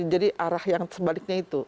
jadi arah yang sebaliknya itu